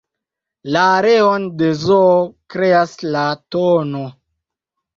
La areon de zoo kreas la tn.